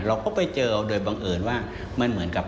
เราก็ไปเจอโดยบังเอิญว่ามันเหมือนกับ